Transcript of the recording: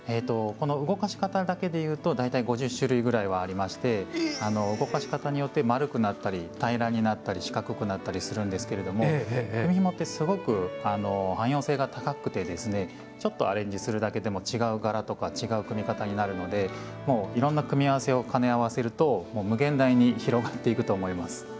動かし方だけで言うと大体５０種類ぐらいはありまして動かし方によって丸くなったり平らになったり四角くなったりするんですけれども組みひもってすごく汎用性が高くてですねちょっとアレンジするだけでも違う柄とか違う組み方になるのでいろんな組み合わせを兼ね合わせるともう無限大に広がっていくと思います。